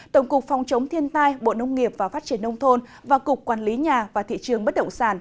tổng cục phòng chống thiên tai bộ nông nghiệp và phát triển nông thôn và cục quản lý nhà và thị trường bất động sản